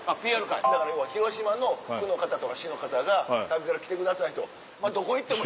だから要は広島の区の方とか市の方が「『旅猿』来てください」とどこ行っても。